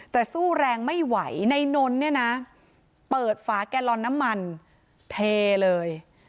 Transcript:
แต่สู้แรงไม่ไหวนายนนท์เนี่ยนะเปิดฝาแกลลอนน้ำมันเทเลย